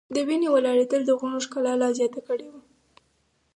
د ونې ولاړېدل د غرونو ښکلا لا زیاته کړې وه.